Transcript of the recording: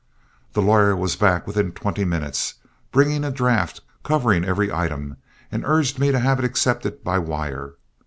The lawyer was back within twenty minutes, bringing a draft, covering every item, and urged me to have it accepted by wire.